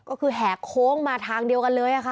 ก็คือแหกโค้งมาทางเดียวกันเลยค่ะ